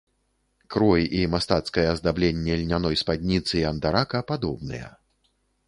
Крой і мастацкае аздабленне льняной спадніцы і андарака падобныя.